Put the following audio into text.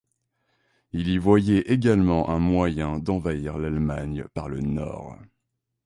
Il y voyait également un moyen d’envahir l’Allemagne par le Nord.